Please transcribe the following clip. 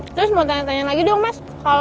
terus mau tanya tanya lagi dong mas